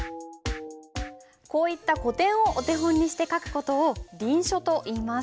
こういった古典をお手本にして書く事を臨書といいます。